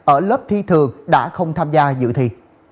ở lớp thi thường đã không tham gia dự thi